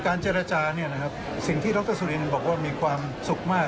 เจรจาเนี่ยนะครับสิ่งที่ดรสุรินบอกว่ามีความสุขมาก